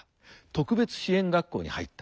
特別支援学校に入った。